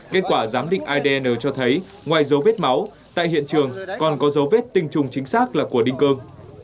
kết quả giám định adn cho thấy ngoài dấu vết máu tại hiện trường còn có dấu vết tinh trùng chính xác là của đinh cương